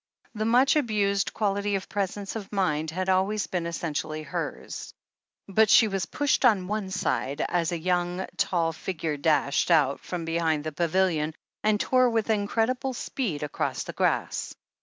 The much abused quality of presence of mind had always been essentially hers. But she was pushed on one side, as a young, tall figure dashed out from behind the pavilion, and tore with incredible speed across the grass.